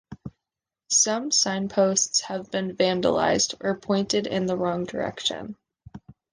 Some signposts have been vandalised or pointed in the wrong direction.